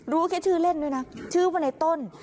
รู้แค่ชื่อเล่นด้วยนะชื่อว่าในต้น